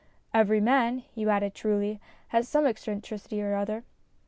" Every man," you added truly, " has some eccen tricity or other."